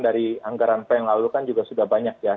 dari anggaran p yang lalu kan juga sudah banyak ya